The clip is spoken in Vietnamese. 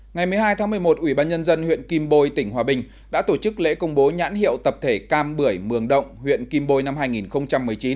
ngày một mươi hai tháng một mươi một ủy ban nhân dân huyện kim bôi tỉnh hòa bình đã tổ chức lễ công bố nhãn hiệu tập thể cam bưởi mường động huyện kim bồi năm hai nghìn một mươi chín